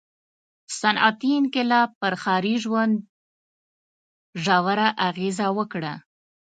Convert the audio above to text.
• صنعتي انقلاب پر ښاري ژوند ژوره اغېزه وکړه.